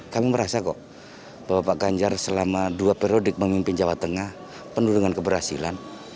kami merasa kok bahwa pak ganjar selama dua periodik memimpin jawa tengah pendudukan keberhasilan